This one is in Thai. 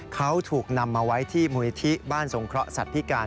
เขาถูกนำมาไว้ที่มูลิธิบ้านสงเคราะหสัตว์พิการ